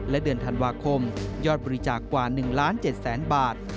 และเดือนธันวาคมยอดบริจาคกว่า๑ล้าน๗แสนบาท